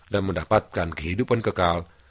dan mendapatkan kehidupan kekal